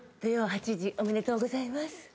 土曜８時おめでとうございます。